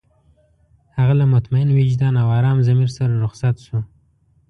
هغه له مطمئن وجدان او ارام ضمير سره رخصت شو.